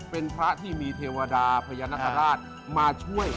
เป็นพระที่มีเทวดาพญานาคาราชมาช่วย